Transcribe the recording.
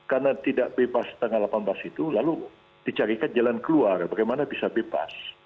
karena tidak bebas tanggal delapan belas itu lalu dicarikan jalan keluar bagaimana bisa bebas